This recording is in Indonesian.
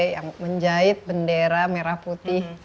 yang menjahit bendera merah putih